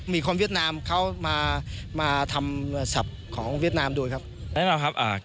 มีคนเวียดนามเข้ามาทำไม่ได้ที่สำเร็จ